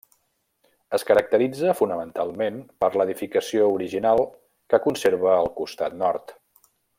Es caracteritza fonamentalment per l'edificació original que conserva el costat nord.